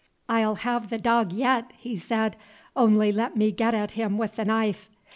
"I 'll have the dog, yet," he said, "only let me get at him with the knife!"